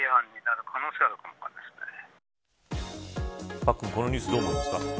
パックンこのニュースどう思いますか。